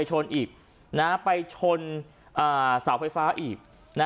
ก็แค่มีเรื่องเดียวให้มันพอแค่นี้เถอะ